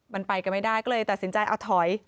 มันไปกันไม่ได้ก็เลยตัดสินใจเอาถอย